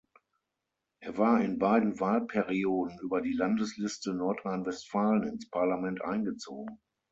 Er war in beiden Wahlperioden über die Landesliste Nordrhein-Westfalen ins Parlament eingezogen.